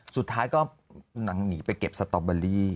สุดท้ายก็นางหนีไปเก็บสตอเบอรี่